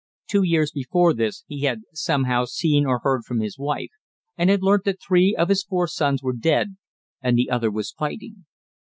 Two years before this he had somehow seen or heard from his wife, and had learnt that three of his four sons were dead and the other was fighting.